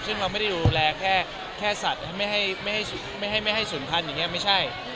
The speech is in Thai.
ซึ่งเราไม่ได้ดูแลแค่สัตว์ไม่ให้ศูนย์พันธุ์อย่างนี้ไม่ใช่